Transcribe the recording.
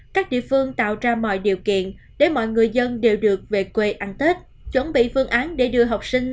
các địa phương tạo ra mọi điều kiện để mọi người dân đều được về quê ăn tết chuẩn bị phương án để đưa học sinh